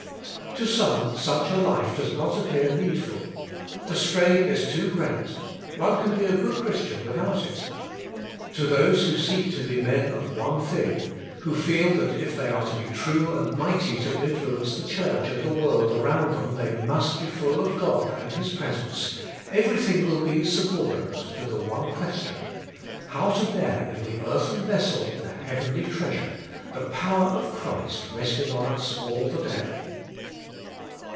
To some, such a life does not appear needful; the strain is too great ; one can be a good Christian without it. To those who seek to be men of one thing, who feel that if they are to be true and mighty to influence the church and the world around them they must be full of God and His Presence, everything will be subordinate to the one question: How to bear in the earthen vessel the heavenly treasure, the power of Christ resting on us all the day.